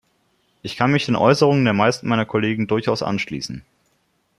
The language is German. Ich kann mich den Äußerungen der meisten meiner Kollegen durchaus anschließen.